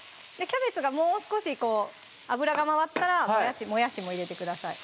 キャベツがもう少しこう油が回ったらもやしも入れてください